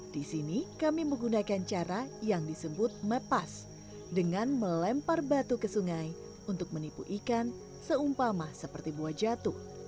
di sini kami menggunakan cara yang disebut mepas dengan melempar batu ke sungai untuk menipu ikan seumpama seperti buah jatuh